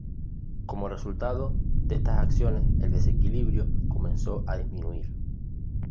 Como resultado de estas acciones, el desequilibrio comenzó a disminuir.